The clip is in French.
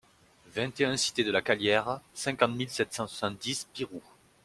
vingt et un cité de la Calière, cinquante mille sept cent soixante-dix Pirou